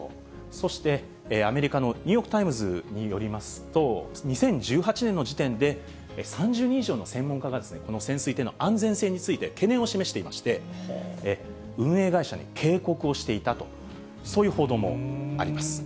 そしてアメリカのニューヨーク・タイムズによりますと、２０１８年の時点で、３０人以上の専門家がこの潜水艇の安全性について懸念を示していまして、運営会社に警告をしていたと、そういう報道もあります。